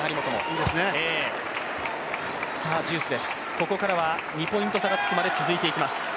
ここからは２ポイント差がつくまで続いていきます。